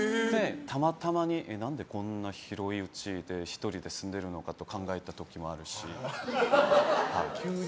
たまに、何でこんな広いうちで１人で住んでるのかと考える時あるし。